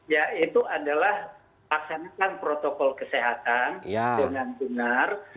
ya itu adalah laksanakan protokol kesehatan dengan benar